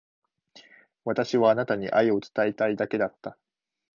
私はあなたに愛を伝えたいだけだった。